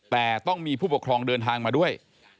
แต่ต้องมีผู้ปกครองเดินทางมาด้วย